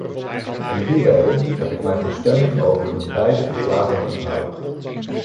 Om die reden heb ik mij van stemming over de beide verslagen onthouden.